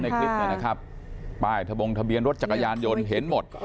คลิปเนี่ยนะครับป้ายทะบงทะเบียนรถจักรยานยนต์เห็นหมด